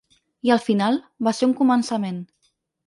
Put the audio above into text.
I al final, va ser un començament.